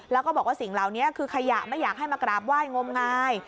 แล้วก็บอกว่าสิ่งเหล่านี้คือขยะไม่อยากให้มากราบไหว้งมงาย